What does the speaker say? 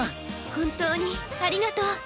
本当にありがとう。